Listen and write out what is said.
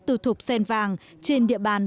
tư thục sen vàng trên địa bàn